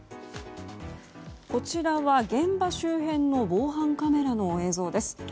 こちらは現場周辺の防犯カメラの映像です。